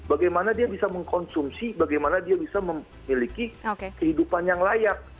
bagaimana dia bisa mengkonsumsi bagaimana dia bisa memiliki kehidupan yang layak